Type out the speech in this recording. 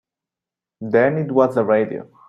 Then it was the radio.